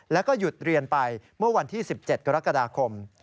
แล้วก็หยุดเรียนไปเมื่อวันที่๑๗กรกฎาคม